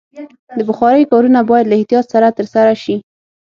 د بخارۍ کارونه باید له احتیاط سره ترسره شي.